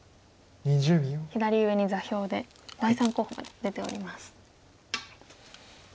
左上に座標で第３候補まで出ております。